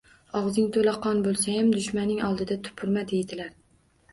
Og‘zing to‘la qon bo‘lsayam, dushmaning oldida tupurma, deydilar.